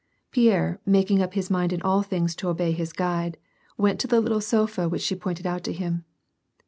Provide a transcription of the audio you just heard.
Pierre, making up his mind in all things to obey his guide, 92 ^^R ^y^ PEACE. went to the little sofa which she pointed oat to him.